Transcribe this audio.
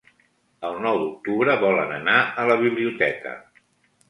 El nou d'octubre volen anar a la biblioteca.